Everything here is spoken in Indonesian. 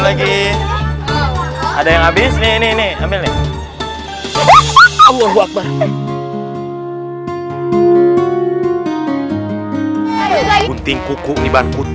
lagi ada yang habis ini ini